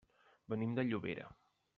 Venim de Llobera.